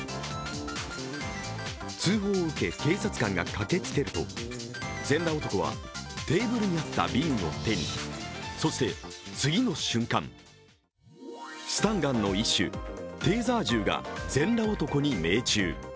通報を受け、警察官が駆けつけると全裸男はテーブルにあった瓶を手に、そして次の瞬間、スタンガンの一種、テーザー銃が全裸男に命中。